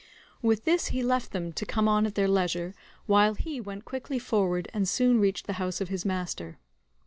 With this he left them to come on at their leisure, while he went quickly forward and soon reached the house of his master.